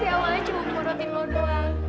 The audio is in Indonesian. di awalnya cuma murotin lo doang